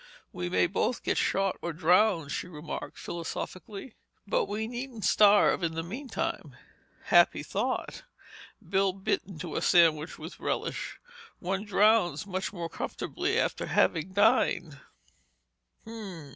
"We may both get shot or drowned," she remarked philosophically, "but we needn't starve in the meantime." "Happy thought!" Bill bit into a sandwich with relish, "One drowns much more comfortably after having dined."